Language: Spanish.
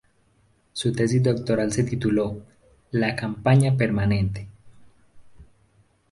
Su tesis doctoral se tituló "La campaña permanente".